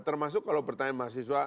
termasuk kalau pertanyaan mahasiswa